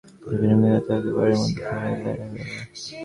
দুজনে মিলিয়া তাহাকে বাড়ির মধ্যে ধরিয়া লইয়া গেল।